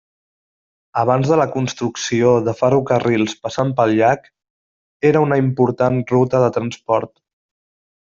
Abans de la construcció de ferrocarrils passant pel llac, era una important ruta de transport.